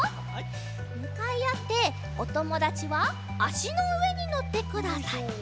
むかいあっておともだちはあしのうえにのってください。